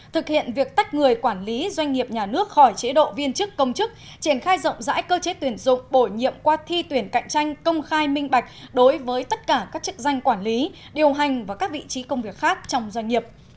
thực hiện việc tách người quản lý doanh nghiệp nhà nước khỏi chế độ viên chức công chức triển khai rộng rãi cơ chế tuyển dụng bổ nhiệm qua thi tuyển cạnh tranh công khai minh bạch đối với tất cả các chức danh quản lý điều hành và các vị trí công việc khác trong doanh nghiệp